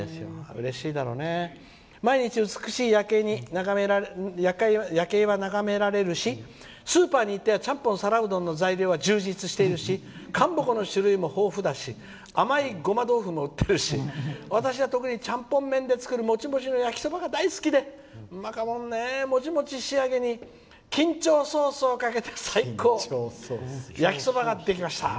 毎日美しい夜景は眺められるしスーパーに行ってはちゃんぽん、皿うどんの具材は充実しているしかんぼこの種類も豊富だし甘いごま豆腐も売ってるし私は特にちゃんぽん麺で作るもちもちの焼きそばを作るのが大好きで仕上げに金蝶ソースをかけて焼きそばが出来上がりました。